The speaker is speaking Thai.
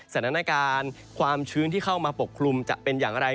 สถานการณ์ความชื้นที่เข้ามาปกคลุมจะเป็นอย่างไร